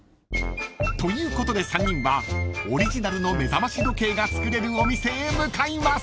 ［ということで３人はオリジナルの目覚まし時計が作れるお店へ向かいます］